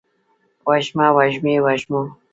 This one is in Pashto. وږمه، وږمې ، وږمو